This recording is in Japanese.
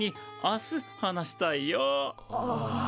ああ。